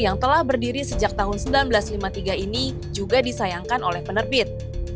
yang telah berdiri sejak tahun seribu sembilan ratus lima puluh tiga ini juga disayangkan oleh penerbit